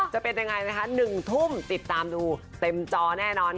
จะเป็นยังไงนะคะ๑ทุ่มติดตามดูเต็มจอแน่นอน